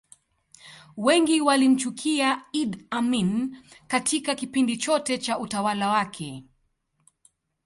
wengi walimchukia idd amin Katika kipindi chote cha utawala wake